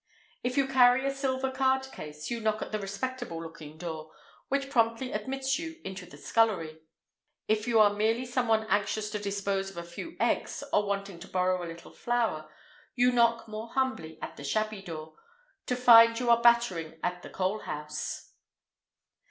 If you carry a silver card case, you knock at the respectable looking door—which promptly admits you into the scullery: if you are merely someone anxious to dispose of a few eggs or wanting to borrow a little flour, you knock more humbly at the shabby door—to find you are battering at the coal house.